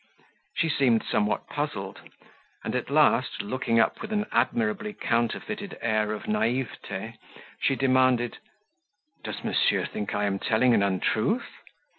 She seemed somewhat puzzled; and, at last, looking up with an admirably counterfeited air of naivete, she demanded, "Does Monsieur think I am telling an untruth?"